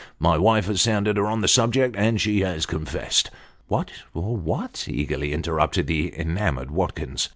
My wife has sounded her on the subject, and she has confessed." " What what ?" eagerly interrupted the enamoured Watkins.